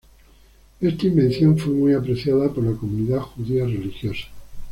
Esta invención fue muy apreciada por la comunidad judía religiosa.